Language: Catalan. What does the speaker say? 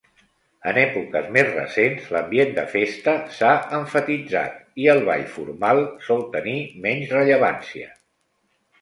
En èpoques més recents, l'ambient de festa s'ha emfatitzat i el ball formal sol tenir menys rellevància.